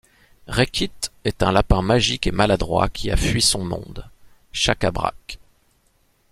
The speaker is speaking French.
Rekkit est un lapin magique et maladroit qui a fui son monde, Chakabrak.